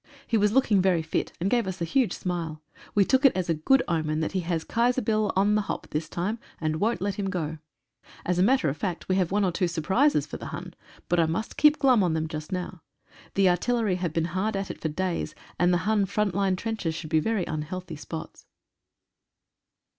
He was looking very fit, and gave us a huge smile. We took it as a good omen that he has Kaiser Bill on the hop this time, and won't let him go. As a matter of fact, we have one or two surprises for the Hun, but I must keep glum on them just now. The artillery have been hard at it for days, and the Hun front line trenches should be very unhealthy spots.